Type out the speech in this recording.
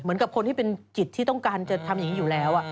เหมือนกับคนที่เป็นจิตที่ต้องการจะทำอย่างนี้อยู่แล้ว